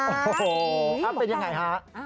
โอ้โหเป็นอย่างไรคะ